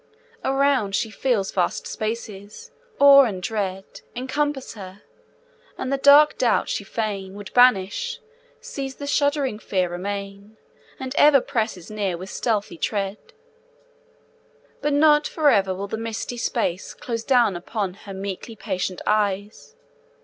Around she feels vast spaces. Awe and dread Encompass her. And the dark doubt she fain Would banish, sees the shuddering fear remain, And ever presses near with stealthy tread. But not for ever will the misty space Close down upon her meekly patient eyes.